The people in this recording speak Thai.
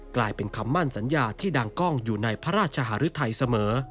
กลายเป็นคำมั่นสัญญาที่ดังกล้องอยู่ในพระราชหารุทัยเสมอ